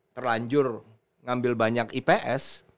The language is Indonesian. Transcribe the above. terlanjur ngambil banyak ips